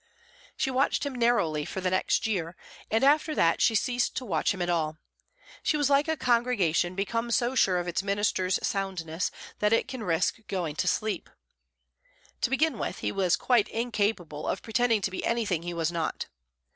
She watched him narrowly for the next year, and after that she ceased to watch him at all. She was like a congregation become so sure of its minister's soundness that it can risk going to sleep. To begin with, he was quite incapable of pretending to be anything he was not.